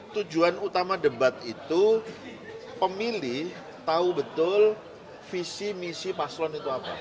tujuan utama debat itu pemilih tahu betul visi misi paslon itu apa